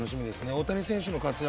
大谷選手の活躍。